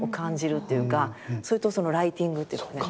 それとそのライティングっていうかね